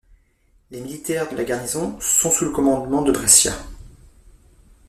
Les militaires de la garnison sont sous le commandement de Brescia.